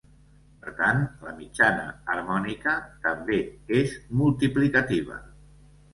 Per tant, la mitjana harmònica també és multiplicativa.